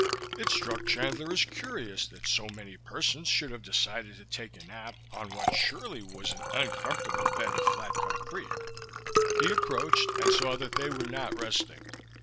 It struck Chandler as curious that so many persons should have decided to take a nap on what surely was an uncomfortable bed of flat concrete; he approached and saw that they were not resting.